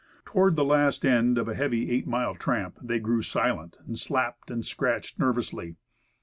Toward the last end of a heavy eight mile tramp, they grew silent, and slapped and scratched nervously.